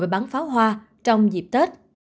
và bán pháo hoa trong dịp tết